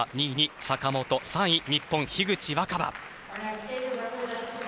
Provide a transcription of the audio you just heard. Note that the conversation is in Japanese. ２位に坂本３位に日本、樋口新葉。